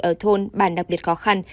ở thôn bàn đặc biệt khó khăn